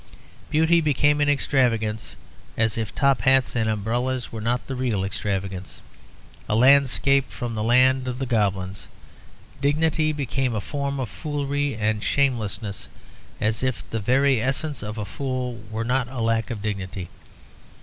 Beauty became an extravagance, as if top hats and umbrellas were not the real extravagance a landscape from the land of the goblins. Dignity became a form of foolery and shamelessness, as if the very essence of a fool were not a lack of dignity.